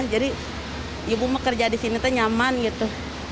jadi ibu mekerja di sini nyaman gitu